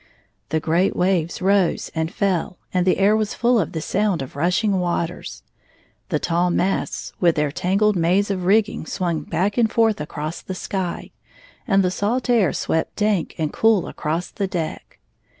The great waves rose and fell, and the air was full of the sound of rushing waters, The tall masts with their tangled maze of rigging swung back and forth across the sky, and the salt air swept dank and cool across the deck.